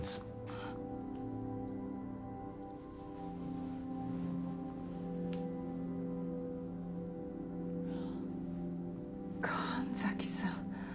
あっ神崎さん